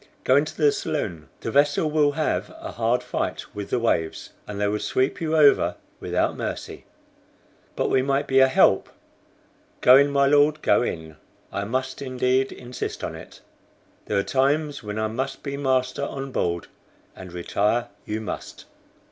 Go into the saloon. The vessel will have a hard fight with the waves, and they would sweep you over without mercy." "But we might be a help." "Go in, my Lord, go in. I must indeed insist on it. There are times when I must be master on board, and retire you must."